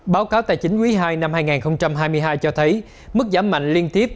báo cáo tài chính quý ii năm hai nghìn hai mươi hai cho thấy mức giảm mạnh liên tiếp